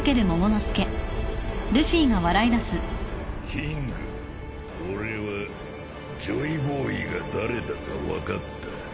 キング俺はジョイボーイが誰だか分かった